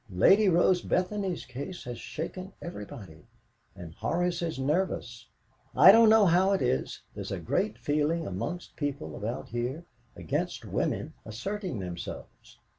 Lady Rose Bethany's case has shaken everybody, and Horace is nervous. I don't know how it is, there's a great feeling amongst people about here against women asserting themselves.